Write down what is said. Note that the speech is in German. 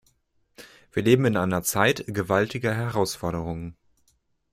Wir leben in einer Zeit gewaltiger Herausforderungen.